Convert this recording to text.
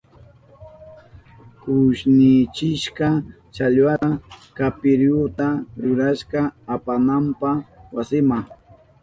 Kushnichishka challwata kapirihuta rurashka apananpa wasinma.